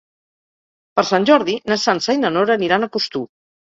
Per Sant Jordi na Sança i na Nora aniran a Costur.